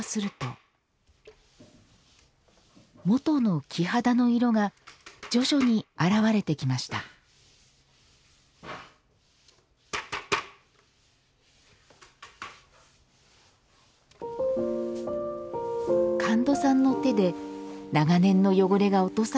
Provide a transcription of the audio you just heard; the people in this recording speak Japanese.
元の木肌の色が徐々に現れてきました神門さんの手で長年の汚れが落とされた地板。